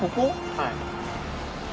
はい。